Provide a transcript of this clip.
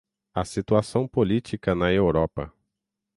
A Situação Política na Europa